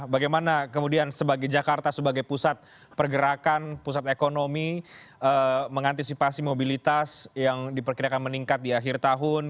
bagaimana kemudian jakarta sebagai pusat pergerakan pusat ekonomi mengantisipasi mobilitas yang diperkirakan meningkat di akhir tahun